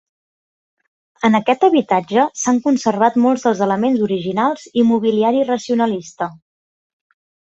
En aquest habitatge s'han conservat molts dels elements originals i mobiliari racionalista.